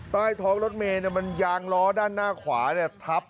ใต้ท้องรถเมโยงล้อด้านหน้าขวาเนี่ย